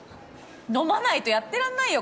飲まないとやってらんないよ